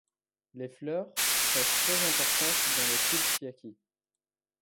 Les fleurs restent très importantes dans le culte yaqui.